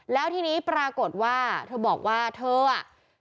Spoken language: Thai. แล้วทีนี้ปรากฏว่าเธอบอกว่าเธออ่ะ